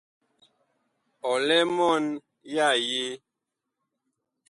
Ɔ lɛ mɔɔn ya yee ?